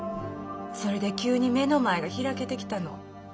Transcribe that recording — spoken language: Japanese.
それで急に目の前が開けてきたの。